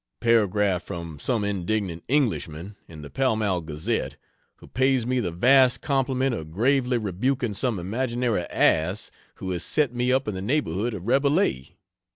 Paragraph from some indignant Englishman in the Pall Mall Gazette who pays me the vast compliment of gravely rebuking some imaginary ass who has set me up in the neighborhood of Rabelais; 3.